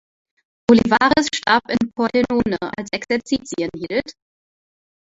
Olivares starb in Pordenone, als Exerzitien hielt.